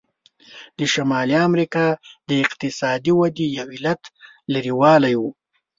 د شمالي امریکا د اقتصادي ودې یو علت لرې والی و.